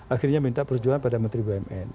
akhirnya minta perjuangan pada menteri bumn